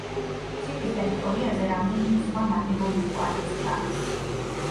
ციხის ტერიტორიაზე რამდენიმე სხვა ნაგებობის კვალიც ჩანს.